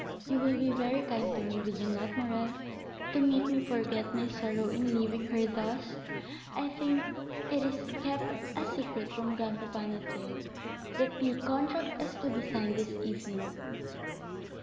You will be very kind to me, will you not, Morrel, to make me forget my sorrow in leaving her thus? I think it is kept a secret from grandpapa Noirtier, that the contract is to be signed this evening."